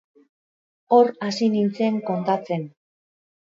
Hor hasi nintzen kondatzen.